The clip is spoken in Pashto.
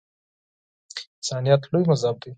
انسانیت لوی مذهب دی